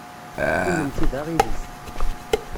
Kennemti d aɣilif.